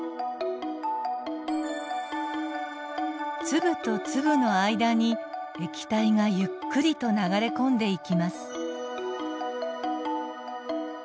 粒と粒の間に液体がゆっくりと流れ込んでいきます。